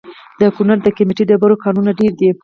د کونړ د قیمتي ډبرو کانونه ډیر دي؟